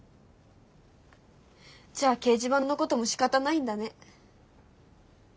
じゃあ掲示板のこともしかたないんだね。